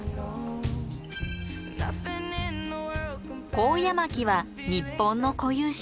コウヤマキは日本の固有種。